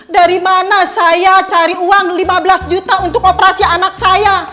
dari mana saya cari uang lima belas juta untuk operasi anak saya